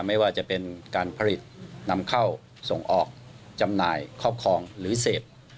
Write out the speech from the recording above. ไม่ว่าจะเป็นการผลิตนำเข้าส่งออกจำหน่ายครอบครองหรือเสพ